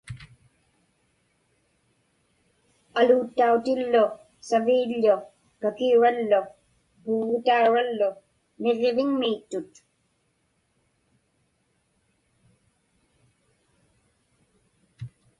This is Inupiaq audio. Aluuttautillu saviḷḷu kakiurallu puggutaurallu niġġiviŋmiittut.